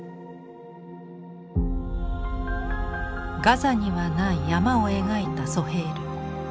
ガザにはない「山」を描いたソヘイル。